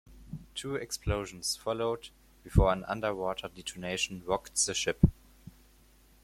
Two explosions followed, before an underwater detonation rocked the ship.